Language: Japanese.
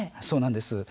そうなんです。